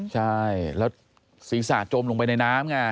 ใช่แล้วศีรษะจมลงไปในน้ำไง